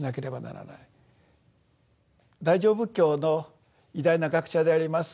大乗仏教の偉大な学者であります